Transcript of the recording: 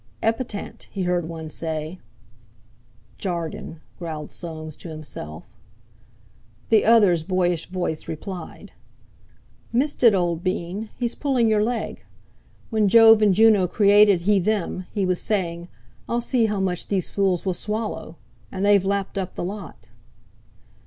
"Epatant!" he heard one say. "Jargon!" growled Soames to himself. The other's boyish voice replied "Missed it, old bean; he's pulling your leg. When Jove and Juno created he them, he was saying: 'I'll see how much these fools will swallow.' And they've lapped up the lot."